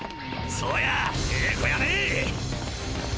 そやええ子やね！